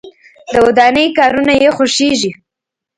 د ودانۍ کارونه یې خوښیږي.